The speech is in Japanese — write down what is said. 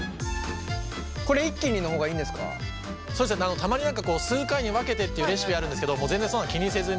たまに数回に分けてっていうレシピあるんですけど全然そんなの気にせずに。